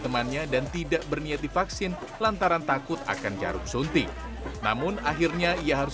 temannya dan tidak berniat divaksin lantaran takut akan jarum suntik namun akhirnya ia harus